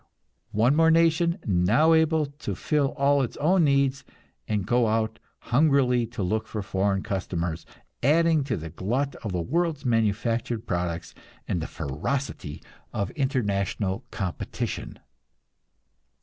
One more nation now able to fill all its own needs, and going out hungrily to look for foreign customers, adding to the glut of the world's manufactured products and the ferocity of international competition!